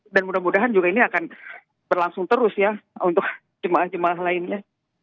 dan mudah mudahan ini akan berlangsung terus ya untuk jemaah jemaah lainnya